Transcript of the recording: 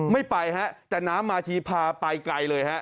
ไม่ไปฮะแต่น้ำมาทีพาไปไกลเลยฮะ